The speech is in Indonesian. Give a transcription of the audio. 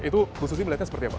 itu khususnya melihatnya seperti apa